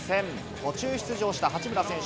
途中出場した八村選手。